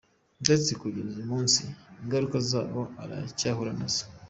ndetse kugeza uyu munsi ingaruka zarwo aracyahura nazo.